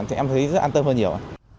em thấy rất an tâm hơn nhiều